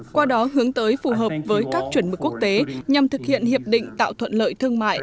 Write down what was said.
qua đó hướng tới phù hợp với các chuẩn mực quốc tế nhằm thực hiện hiệp định tạo thuận lợi thương mại